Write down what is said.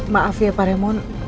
maaf ya pak remon